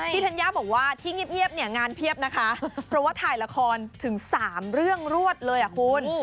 ธัญญาบอกว่าที่เงียบเนี่ยงานเพียบนะคะเพราะว่าถ่ายละครถึง๓เรื่องรวดเลยอ่ะคุณ